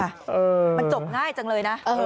มันจบง่ายจังเลยนะ